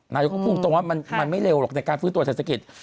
นายกก็พูดตรงว่ามันไม่เร็วหรอกในการฟื้นตัวเศรษฐกิจ